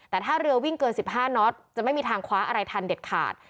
แต่ถ้าเรือวิ่งเกิน๑๕น็อตจะไม่มีทางคว้าอะไรทันเด็ดขาด